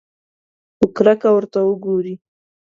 په کرکه ورته وګوري.